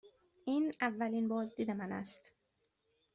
این اولین بازدید من است.